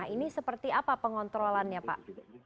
ini seperti apa pengontrolannya pak